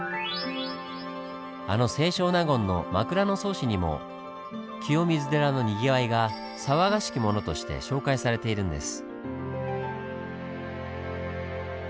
あの清少納言の「枕草子」にも清水寺のにぎわいが「さわがしきもの」として紹介されているんです。